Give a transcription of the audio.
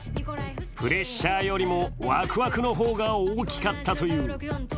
プレッシャーよりもワクワクの方が大きかったという。